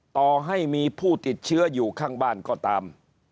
ต่อให้มีผู้ติดเชื้ออยู่ข้างบ้านก็ตาม